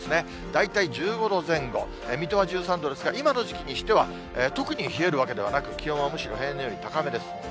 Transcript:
大体１５度前後、水戸は１３度ですが、今の時期にしては特に冷えるわけではなく、気温はむしろ平年より高めです。